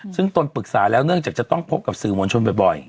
ซึ่งตนปรึกษาแล้วเนื่องจากจะต้องพบกับสื่อมวลชนบ่อย